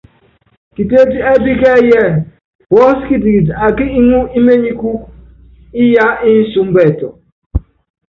Kitétí ɛ́ɛ́pí kɛ́ɛ́yí ɛ́ɛ́: Puɔ́sí kitikiti akí iŋú íményikúúkú, iyaá insúmbɔ ɛtɔ.